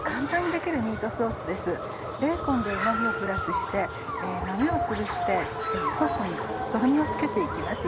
ベーコンでうま味をプラスして豆をつぶしてソースにとろみをつけて行きます。